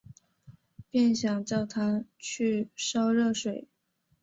便想叫她去烧热水